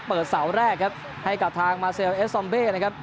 เสาแรกครับให้กับทางมาเซลเอสซอมเบนะครับ